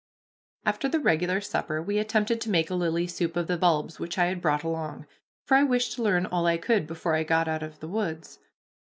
After the regular supper we attempted to make a lily soup of the bulbs which I had brought along, for I wished to learn all I could before I got out of the woods.